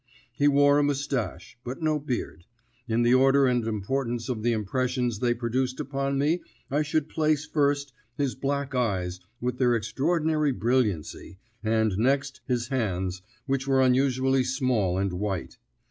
He wore a moustache, but no beard. In the order and importance of the impressions they produced upon me I should place first, his black eyes with their extraordinary brilliancy, and next, his hands, which were unusually small and white.